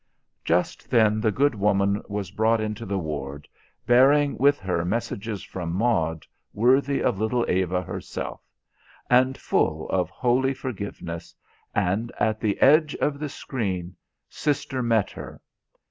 Just then the good woman was brought into the ward, bearing with her messages from Maud worthy of Little Eva herself; and full of holy forgiveness; and at edge of the screen Sister met her.